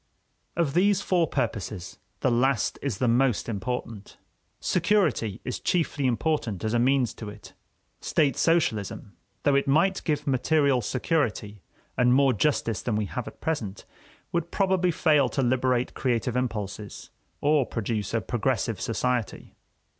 Of these four purposes the last is the most important. Security is chiefly important as a means to it. State socialism, though it might give material security and more justice than we have at present, would probably fail to liberate creative impulses or produce a progressive society.